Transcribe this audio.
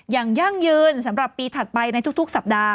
ยั่งยืนสำหรับปีถัดไปในทุกสัปดาห